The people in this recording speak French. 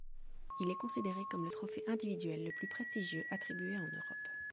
Il est considéré comme le trophée individuel le plus prestigieux attribué en Europe.